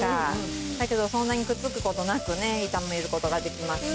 だけどそんなにくっつく事なくね炒める事ができますね。